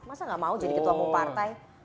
masa gak mau jadi ketua umum partai